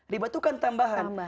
riba itu kan tambahan